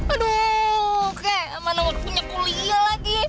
aduh kek mana udah punya kuliah lagi